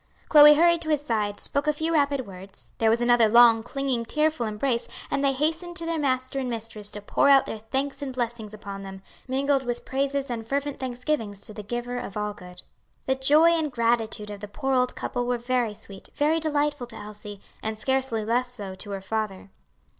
Chloe hurried to his side, spoke a few rapid words; there was another long, clinging, tearful embrace, and they hastened to their master and mistress to pour out their thanks and blessings upon them, mingled with praises and fervent thanksgivings to the Giver of all good. The joy and gratitude of the poor old couple were very sweet, very delightful to Elsie, and scarcely less so to her father.